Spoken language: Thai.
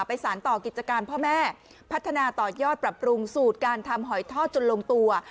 สารต่อกิจการพ่อแม่พัฒนาต่อยอดปรับปรุงสูตรการทำหอยทอดจนลงตัว